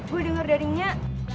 gue denger dari nyat